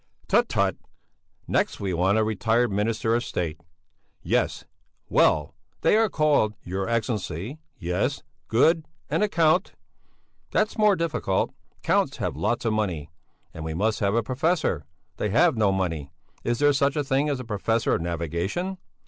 "Tut, tut! Next we want a retired minister of State! Yes! Well! They are called Your Excellency! Yes! Good. And a Count! That's more difficult! Counts have lots of money! And we must have a professor! They have no money! Is there such a thing as a Professor of Navigation?